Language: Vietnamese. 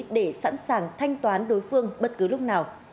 để sẵn sàng thanh toán đối phương bất cứ lúc nào